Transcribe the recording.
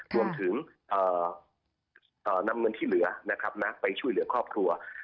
รวมถึงนำเงินที่เหลือนะครับไปช่วยเหลือครอบครัว